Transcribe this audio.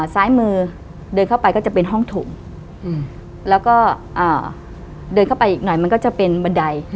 ซ้ายมือเดินเข้าไปก็จะเป็นห้องถุงแล้วก็เดินเข้าไปอีกหน่อยมันก็จะเป็นบันได